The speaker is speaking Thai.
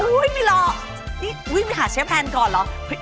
อู้ยมีหลอกนี่วิ่งหาเชฟเพนส์ก่อนเหรอ